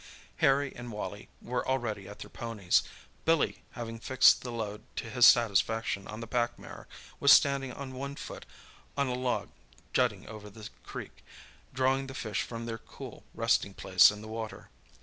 Harry and Wally were already at their ponies. Billy, having fixed the load to his satisfaction on the pack mare, was standing on one foot on a log jutting over the creek, drawing the fish from their cool resting place in the water.